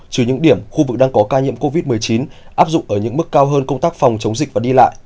trừ những điểm khu vực đang có ca nhiễm covid một mươi chín áp dụng ở những mức cao hơn công tác phòng chống dịch và đi lại